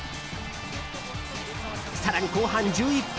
更に後半１１分。